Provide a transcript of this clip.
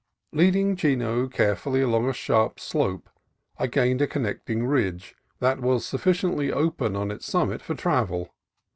Leading Chino carefully along a sharp slope I gained a connecting ridge that was sufficiently open on its summit for travel.